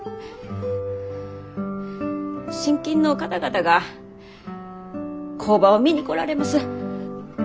信金の方々が工場を見に来られます。